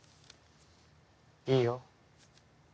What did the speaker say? いいよ。